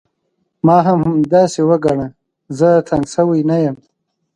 ما هم همداسې وګڼه، زه تنګ شوی نه یم.